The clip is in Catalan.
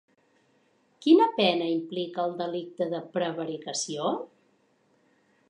Quina pena implica el delicte de prevaricació?